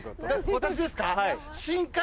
私ですか？